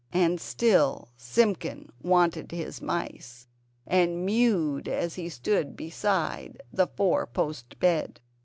And still Simpkin wanted his mice, and mewed as he stood beside the four post bed.